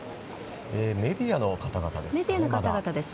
メディアの方々ですかね。